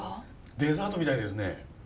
デザートみたいですね。